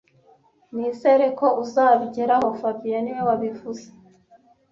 Nizera ko uzabigeraho fabien niwe wabivuze